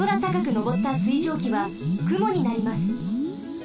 のぼった水蒸気はくもになります。